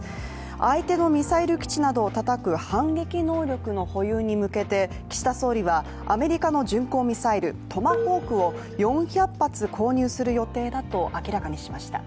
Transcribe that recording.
相手のミサイル基地などをたたく反撃能力の保有に向けて岸田総理はアメリカの巡航ミサイルトマホークを４００発、購入する予定だと明らかにしました。